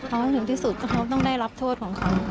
เอาให้ถึงที่สุดก็เขาต้องได้รับโทษของเขา